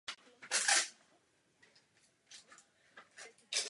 Podpora video hovorů byla také přidána do několika populárních instant messaging programů.